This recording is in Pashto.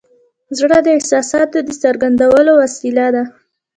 زړه د احساساتو د څرګندولو وسیله ده.